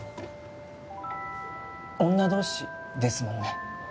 女同士ですもんね。